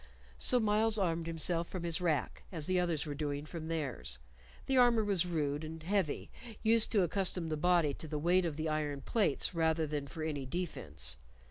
So Myles armed himself from his rack as the others were doing from theirs. The armor was rude and heavy, used to accustom the body to the weight of the iron plates rather than for any defence.